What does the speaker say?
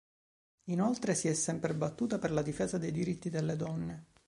Inoltre si è sempre battuta per la difesa dei diritti delle donne.